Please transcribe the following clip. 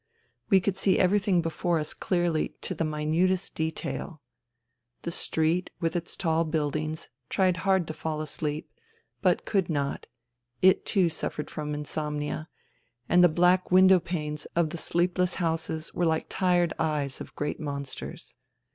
We could see everything before us clearly to the minutest detail. The street with its tall buildings tried hard to fall asleep, but could not : it, too, suffered from insomnia ; and the black window panes of the sleepless houses were like tired eyes of great monsters.